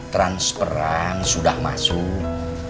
transperan sudah masuk